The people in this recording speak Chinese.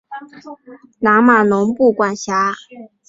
南马农布管辖。